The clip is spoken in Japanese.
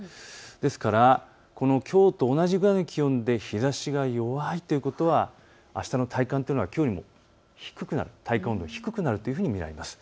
ですからきょうと同じぐらいの気温で日ざしが弱いということはあしたの体感というのはきょうより低くなる、体感温度が低くなると見られます。